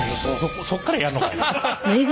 そっからやんのかい。